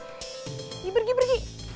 iya pergi pergi